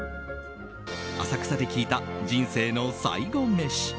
浅草で聞いた人生の最後メシ